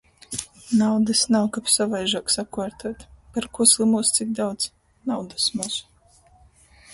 Naudys nav, kab sovaižuok sakuortuot... Parkū slymūs cik daudz? Naudys moz...